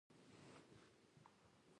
برېټانیا د کولالي لوښو د تولید کارخانې لرلې.